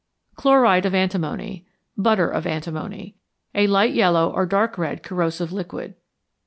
=Chloride of Antimony= (Butter of Antimony). A light yellow or dark red corrosive liquid.